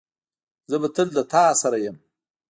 زه به تل له تاسره یم